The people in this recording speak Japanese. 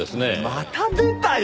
また出たよ！